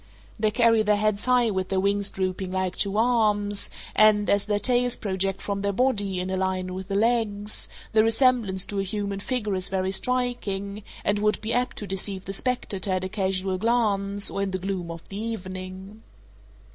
They carry their heads high with their wings drooping like two arms, and, as their tails project from their body in a line with the legs, the resemblance to a human figure is very striking, and would be apt to deceive the spectator at a casual glance or in the gloom of the evening.